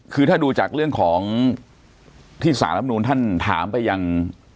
คือถ้าดูจากเรื่องของที่สารรับนูนท่านถามไปยัง